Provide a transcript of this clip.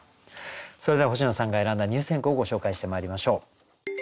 それでは星野さんが選んだ入選句をご紹介してまいりましょう。